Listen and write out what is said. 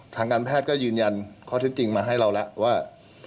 ทางการแพทย์ก็ยืนยันข้อเท็จจริงมาให้เราแล้วว่า